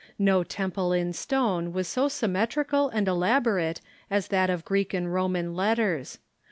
No temple in stone was so symmetrical and elaborate as that of 'chSirnitJ"' Gti'eek and Roman letters.